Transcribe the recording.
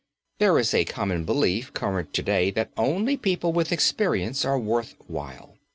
There is a common belief current to day that only people with experience are worth while.